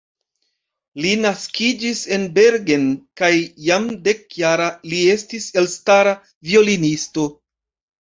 Li naskiĝis en Bergen, kaj jam dek-jara li estis elstara violonisto.